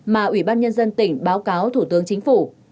mà ủy ban nhân dân tỉnh báo cáo thủ tướng chính phủ